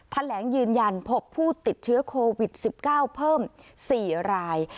แถลงยืนยันพบผู้ติดเชื้อโควิด๑๙เพิ่ม๔ราย